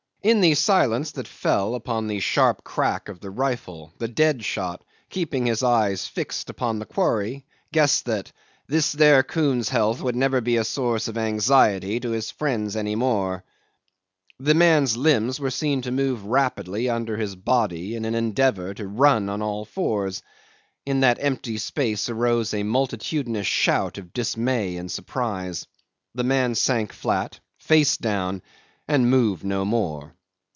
In the silence that fell upon the sharp crack of the rifle, the dead shot, keeping his eyes fixed upon the quarry, guessed that "this there coon's health would never be a source of anxiety to his friends any more." The man's limbs were seen to move rapidly under his body in an endeavour to run on all fours. In that empty space arose a multitudinous shout of dismay and surprise. The man sank flat, face down, and moved no more.